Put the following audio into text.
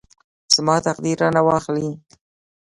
زما تقدیر رانه واخلي.